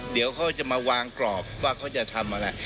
เดี๋ยวเขาจะมาวางกรอบว่าเขาจะทำอะไร